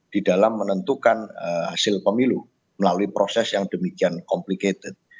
di dalam menentukan hasil pemilu melalui proses yang demikian komplikated